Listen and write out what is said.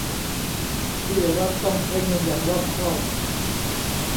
ที่รัฐต้องใช้เงินอย่างรอบคอบ